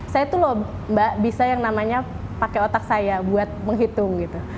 saya tuh loh mbak bisa yang namanya pakai otak saya buat menghitung gitu